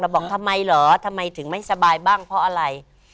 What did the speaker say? บอกทำไมเหรอทำไมถึงไม่สบายบ้างเพราะอะไร